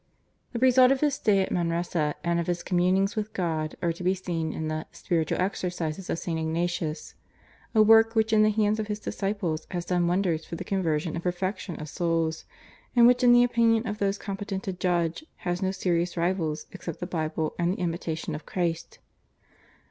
The result of his stay at Manresa and of his communings with God are to be seen in the /Spiritual Exercises of St. Ignatius/, a work which in the hands of his disciples has done wonders for the conversion and perfection of souls, and which in the opinion of those competent to judge has no serious rivals except the Bible and the Imitation of Christ.